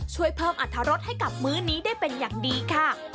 ช่วยเพิ่มอัตรรสให้กับมื้อนี้ได้เป็นอย่างดีค่ะ